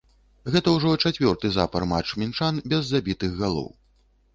Гэта ўжо чацвёрты запар матч мінчан без забітых галоў.